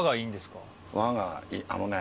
あのね。